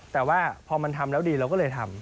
แต่ว่าพอมันทำแล้วดีเราก็เลยทำ